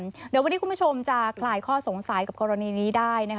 เดี๋ยววันนี้คุณผู้ชมจะคลายข้อสงสัยกับกรณีนี้ได้นะคะ